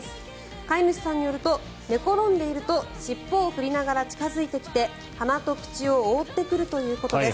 飼い主さんによると寝転んでいると尻尾を振りながら近付いてきて鼻と口を覆ってくるということです。